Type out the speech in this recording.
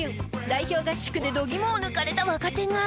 代表合宿で度肝を抜かれた若手が。